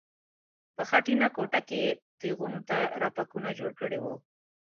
په خټینه کوټه کې یې تیغونو ته رپکونه جوړ کړي وو.